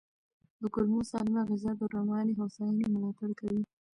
د کولمو سالمه غذا د رواني هوساینې ملاتړ کوي.